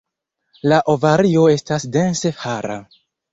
La ovario estas dense hara.